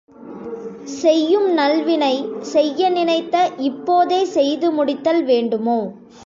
செய்யும் நல்வினை, செய்ய நினைத்த, இப், ோதே செய்து முடித்தல் வேண்டுமோ?